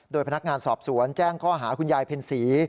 โดยพนักงานสอบสวนแจ้งข้อหาคุณยายเพ็ญศรี